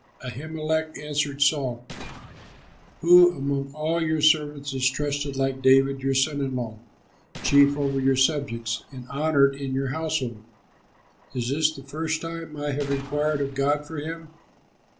Ahimelech answered Saul, "Who among all your servants is trusted like David, your son in law, chief over your subjects, and honored in your household? Is this the first time I have inquired of God for him?